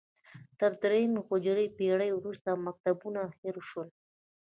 تر درېیمې هجري پېړۍ وروسته مکتبونه هېر شول